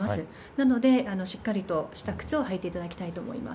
なので、しっかりとした靴を履いていただきたいと思います。